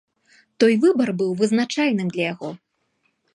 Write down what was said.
Той выбар быў вызначальным для яго.